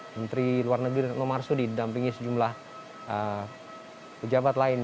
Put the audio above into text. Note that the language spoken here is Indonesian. menteri luar negeri nomar sudi didampingi sejumlah pejabat lain